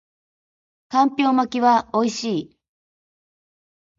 干瓢巻きは美味しい